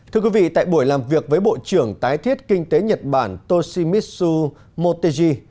thưa quý vị tại buổi làm việc với bộ trưởng tái thiết kinh tế nhật bản toshimitsu motegi